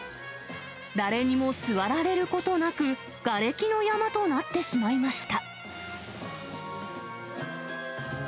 誰にも座られることなく、がれきの山となってしまいました。